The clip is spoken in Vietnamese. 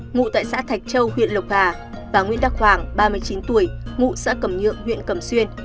ngụ tại xã thạch châu huyện lộc hà và nguyễn đắc hoàng ba mươi chín tuổi ngụ xã cầm nhượng huyện cẩm xuyên